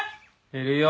いるよ。